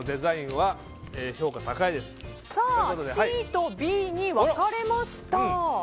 ＣとＢに分かれました。